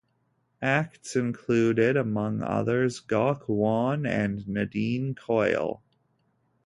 Acts included among others Gok Wan and Nadine Coyle.